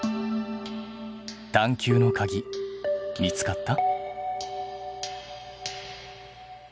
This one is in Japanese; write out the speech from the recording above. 探究のかぎ見つかった？